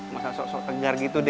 masa sok sok tegar gitu deh